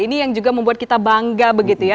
ini yang juga membuat kita bangga begitu ya